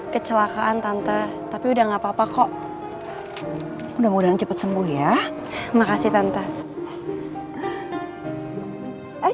kecelakaan tante tapi udah nggak papa kok udah mudah cepet sembuh ya makasih tante